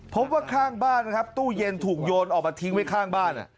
พบว่าข้างบ้านนะครับตู้เย็นถูกโยนออกมาทิ้งไว้ข้างบ้าน